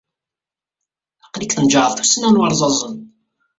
Aql-ik tnejɛeḍ tusna n warẓaẓen.